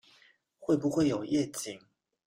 会不会有夜景